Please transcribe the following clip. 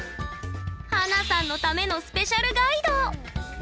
華さんのためのスペシャルガイド。